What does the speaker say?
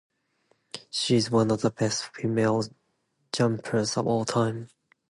She is one of the best female jumpers of all time.